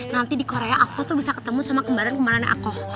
nanti di korea aku tuh bisa ketemu sama kemarin kemarin aku